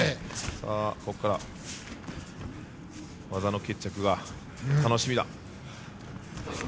さあ、ここから技での決着が楽しみだ。